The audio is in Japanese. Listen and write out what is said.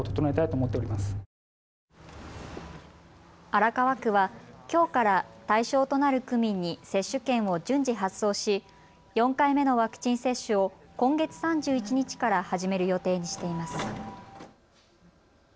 荒川区はきょうから対象となる区民に接種券を順次発送し４回目のワクチン接種を今月３１日から始める予定にしています。